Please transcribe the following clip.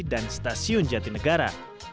dan stasiun jatinegara